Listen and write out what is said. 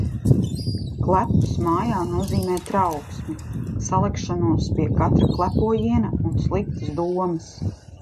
Klepus mājā nozīmē trauksmi. Salekšanos pie katra klepojiena un sliktas domas.